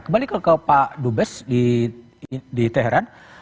kembali ke pak dubes di teheran